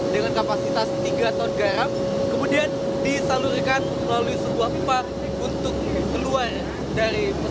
dengan kapasitas tiga ton garam kemudian disalurkan melalui sebuah pipa untuk keluar dari pesawat hercules a seribu tiga ratus dua puluh delapan